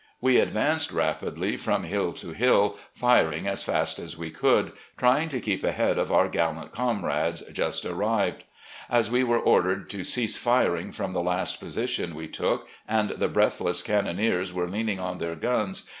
We advanced rapidly, from hill to hill, firing as fast as we could, tr3dng to keep ahead of our gallant comrades, just arrived. As we were ordered to cease firing from the last position we took, and the breathless cannoneers were leaning on their guns.